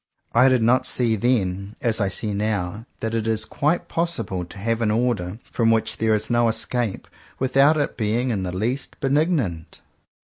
I did not see then, as I see now, that it is quite possible to have an order from which there is no escape, without its being in the least benignant.